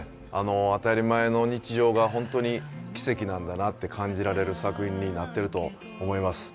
当たり前の日常が本当に奇跡なんだなと感じられる作品になっています。